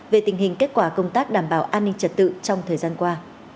về tình hình kết quả công tác đảm bảo an ninh trật tự trong thời gian qua